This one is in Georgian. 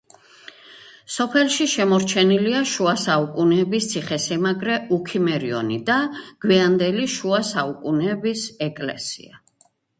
სოფელში შემორჩენილია შუა საუკუნეების ციხესიმაგრე „უქიმერიონი“ და გვიანდელი შუა საუკუნეების ეკლესია.